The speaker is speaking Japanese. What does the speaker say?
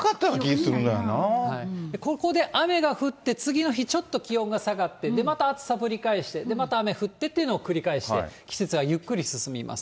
ここで雨が降って、次の日、ちょっと気温が下がって、で、また暑さぶり返して、また雨降ってっていうのを繰り返して、季節はゆっくり進みます。